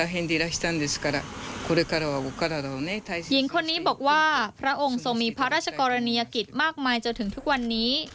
หญิงคนนี้บอกว่าพระองค์ทรงมีพระราชกรณียกิจมากมายจนถึงทุกวันนี้